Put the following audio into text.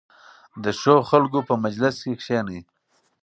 د ښو خلکو په مجلس کې کښېنئ.